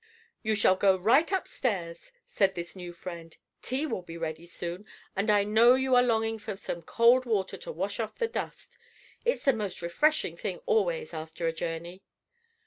"You shall go right upstairs," said this new friend; "tea will be ready soon, and I know you are longing for some cold water to wash off the dust. It's the most refreshing thing always after a journey."